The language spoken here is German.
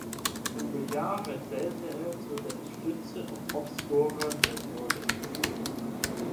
Über Jahre zählte er zu den Stützen und Topscorern der Nordiques.